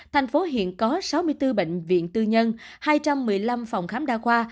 thành phố hiện có sáu mươi bốn bệnh viện tư nhân hai trăm một mươi năm phòng khám đa khoa